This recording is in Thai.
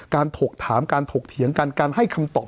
ถกถามการถกเถียงกันการให้คำตอบ